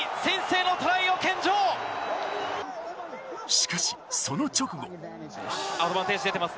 しかし、その直後。